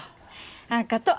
あっがとう。